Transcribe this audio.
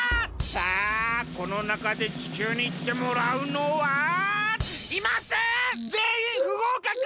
さあこのなかで地球にいってもらうのはいません！